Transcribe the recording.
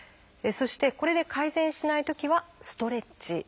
そしてこれで改善しないときは「ストレッチ」。